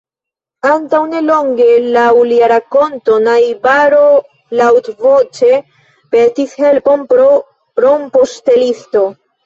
Antaŭ nelonge, laŭ lia rakonto, najbaro laŭtvoĉe petis helpon pro rompoŝtelisto.